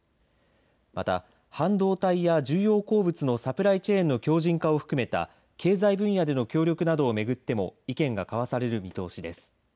また、半導体や重要鉱物のサプライチェーンの強じん化を含めた経済分野での協力などを巡っても意見が交わされる見通しです。